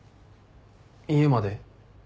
家まで？